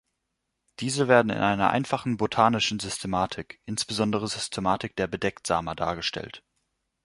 Diese werden in einer einfachen botanischen Systematik, insbesondere Systematik der Bedecktsamer dargestellt.